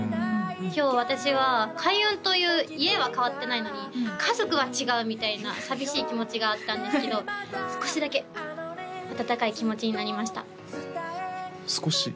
今日私は開運という家は変わってないのに家族は違うみたいな寂しい気持ちがあったんですけど少しだけ温かい気持ちになりました少し？